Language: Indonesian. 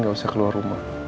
gak usah keluar rumah